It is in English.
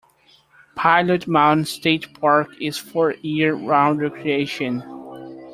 Pilot Mountain State Park is for year-round recreation.